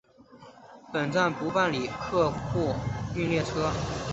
本站不办理客货运列车。